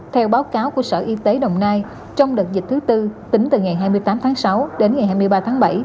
theo báo cáo của sở y tế đồng nai trong đợt dịch thứ tư tính từ ngày hai mươi tám tháng sáu đến ngày hai mươi ba tháng bảy